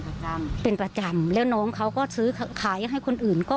ประจำเป็นประจำแล้วน้องเขาก็ซื้อขายให้คนอื่นก็